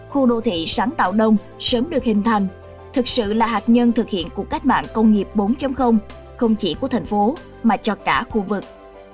khu đô thị sáng tạo đông sớm được hình thành thực sự là hạt nhân thực hiện cuộc cách mạng công nghiệp bốn không chỉ của thành phố mà cho cả khu vực